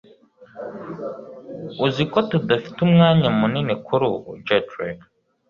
Uzi ko tudafite umwanya munini kurubu jeedrek